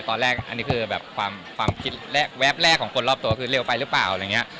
ตอนแรกอันนี้คือแบบความคิดแรกแวบแรกของคนรอบตัวคือเร็วไปหรือเปล่าอะไรอย่างนี้